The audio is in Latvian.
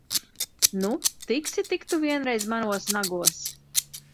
Nu, tiksi tik tu vienreiz manos nagos!